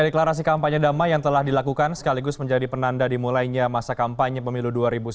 deklarasi kampanye damai yang telah dilakukan sekaligus menjadi penanda dimulainya masa kampanye pemilu dua ribu sembilan belas